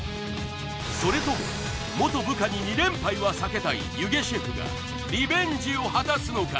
それとも元部下に２連敗は避けたい弓削シェフがリベンジを果たすのか？